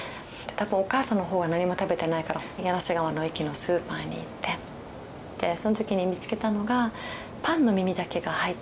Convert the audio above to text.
多分お母さんの方は何も食べてないから柳瀬川の駅のスーパーに行ってその時に見つけたのがパンの耳だけが入ったパックがあって。